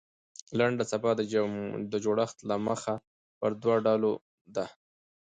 لنډه څپه د جوړښت له مخه پر دوه ډوله ده.